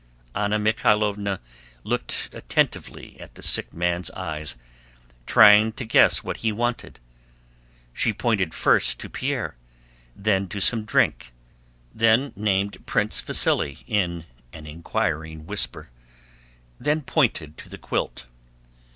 Anna Mikháylovna looked attentively at the sick man's eyes, trying to guess what he wanted; she pointed first to Pierre, then to some drink, then named Prince Vasíli in an inquiring whisper, then pointed to the quilt.